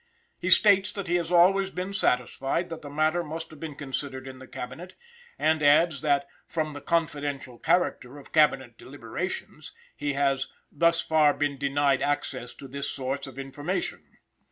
He states that he has always been satisfied that the matter must have been considered in the Cabinet, and adds that "from the confidential character of Cabinet deliberations" he has "thus far been denied access to this source of information."